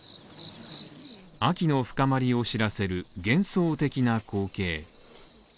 秋の深まりを知らせる幻想的な光景。